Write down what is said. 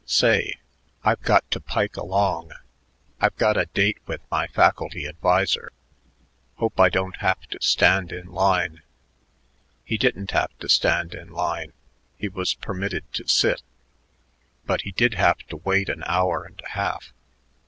Say, I've got to pike along; I've got a date with my faculty adviser. Hope I don't have to stand in line." He didn't have to stand in line he was permitted to sit but he did have to wait an hour and a half.